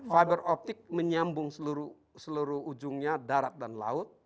fiber optic menyambung seluruh ujungnya darat dan laut